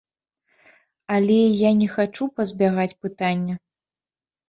Але я не хачу пазбягаць пытання.